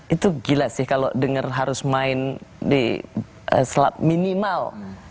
itu gila sih kalau dengar harus main di selat minimal